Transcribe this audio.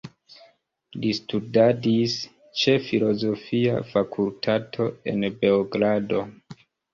Li studadis ĉe filozofia fakultato en Beogrado.